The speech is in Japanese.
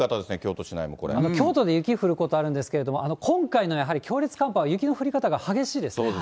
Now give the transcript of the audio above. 京都で雪降ることはあるんですけれども、今回のやはり、強烈寒波は雪の降り方が激しいです。